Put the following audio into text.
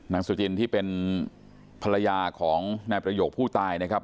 สุจินที่เป็นภรรยาของนายประโยคผู้ตายนะครับ